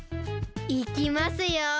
いきますよ。